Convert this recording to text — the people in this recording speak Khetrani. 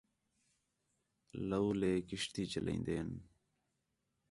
لولے کشتی چلائین٘دین